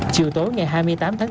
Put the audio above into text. chiều tối ngày hai mươi tám tháng bốn